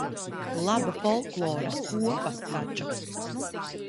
Laba folkloras kopa taču.